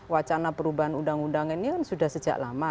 wacana perubahan undang undang ini kan sudah sejak lama